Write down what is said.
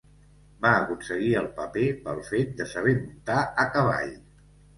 Va aconseguir el paper pel fet de saber muntar a cavall.